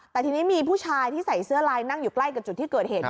แต่ทีนี้มีผู้ชายที่ใส่เสื้อลายนั่งอยู่ใกล้กับจุดที่เกิดเหตุ